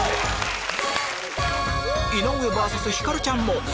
井上ｖｓひかるちゃんも！